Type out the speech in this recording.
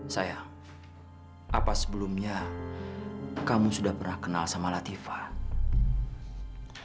saya apa sebelumnya kamu sudah pernah kenal sama latifah